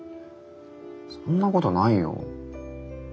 そんなことないよ。